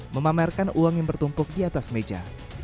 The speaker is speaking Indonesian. memamerkan uang yang bertumpuk di atas meja